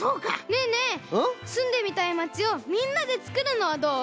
ねえねえすんでみたい町をみんなでつくるのはどう？